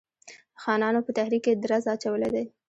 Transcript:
خانانو په تحریک کې درز اچولی دی.